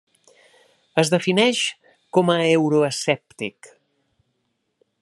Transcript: Es defineix com a euroescèptic.